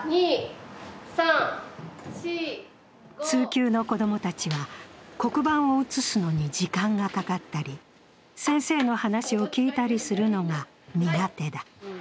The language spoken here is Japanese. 通級の子供たちは黒板を写すのに時間がかかったり先生の話を聞いたりするのが苦手だ。